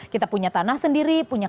kita punya tanah sendiri punya